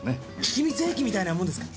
秘密兵器みたいなもんですか？